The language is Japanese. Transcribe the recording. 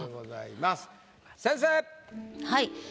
はい。